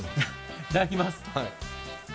いただきます。